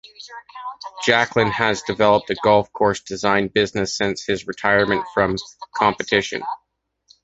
Jacklin has developed a golf course design business since his retirement from competition.